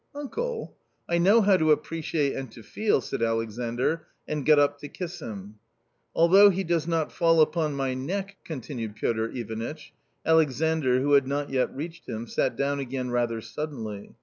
" Uncle ! I know how to appreciate and to feel ".... said Alexander, and got up to kiss him. " Although he does not fall upon my neck," continued Piotr Ivanitch. Alexandr, who had not yet reached him, sat down again rather suddenly.